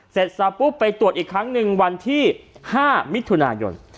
เสร็จสับปุ๊บไปตรวจอีกครั้งหนึ่งวันที่๕มิถุนายน